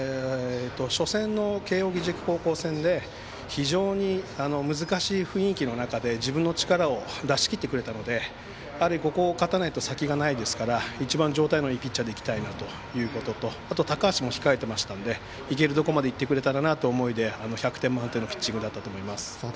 初戦の慶応義塾高校戦で非常に難しい雰囲気の中で自分の力を出し切ってくれたのでここを勝たないと先がないですから一番状態のいいピッチャーで行きたいということとあとは高橋も控えていましたので行けるところまで行ってくれたらなという思いで１００点満点のピッチングだったと思います。